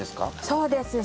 そうですね